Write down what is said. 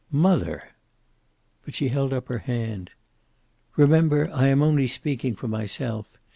"Mother!" But she held up her hand. "Remember, I am only speaking for myself.